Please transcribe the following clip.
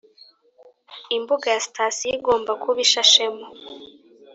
Imbuga ya sitasiyo igomba kuba ishashemo